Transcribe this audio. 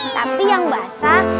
tapi yang basah